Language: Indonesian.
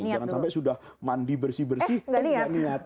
jangan sampai sudah mandi bersih bersih eh nggak niat